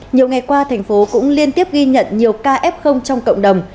nhiều ngày qua thành phố cũng liên tiếp ghi nhận nhiều ca f trong cộng đồng